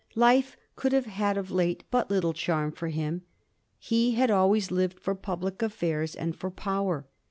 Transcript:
Life could have had of late but little charm for him. He had always lived for public affairs and for power.